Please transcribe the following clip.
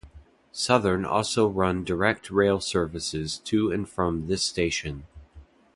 Southern also run direct rail services to and from this station.